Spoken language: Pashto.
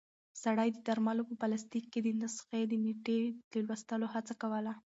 سړی د درملو په پلاستیک کې د نسخې د نیټې د لوستلو هڅه کوله.